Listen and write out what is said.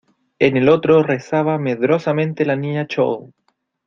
en el otro rezaba medrosamente la Niña Chole.